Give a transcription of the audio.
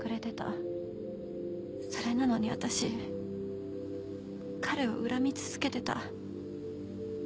それなのに私彼を恨み続けてた。